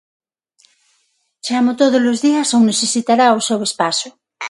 Chamo todos os días ou necesitará o seu espazo?